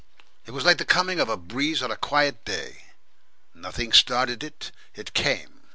It was like the coming of a breeze on a quiet day; nothing started it, it came.